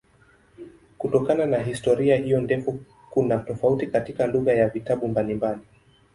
Kutokana na historia hiyo ndefu kuna tofauti katika lugha ya vitabu mbalimbali.